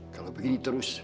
kalau begini terus